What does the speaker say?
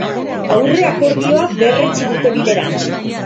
Aurreakordioa berretsi dute bileran.